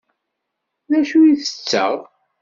D acu tetteɣ?